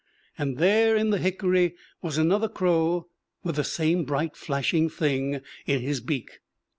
And there in the hickory was another crow with the same bright, flashing thing in his beak.